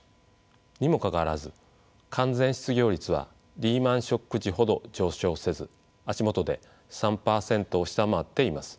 にもかかわらず完全失業率はリーマンショック時ほど上昇せず足元で３％を下回っています。